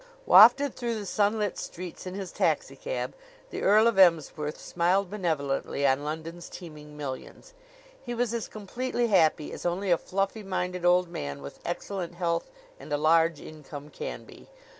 Wafted through the sunlit streets in his taxicab, the Earl of Emsworth smiled benevolently on London's teeming millions. He was as completely happy as only a fluffy minded old man with excellent health and a large income can be.